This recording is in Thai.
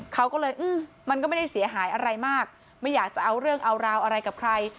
เขาก็เลยมันก็ไม่ได้เสียหายอะไรมากไม่อยากจะเอาเรื่องเอาราวอะไรกับใคร